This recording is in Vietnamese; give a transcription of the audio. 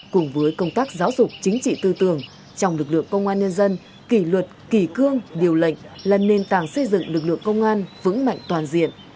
cùng với công tác giáo dục chính trị tư tưởng trong lực lượng công an nhân dân kỷ luật kỳ cương điều lệnh là nền tảng xây dựng lực lượng công an vững mạnh toàn diện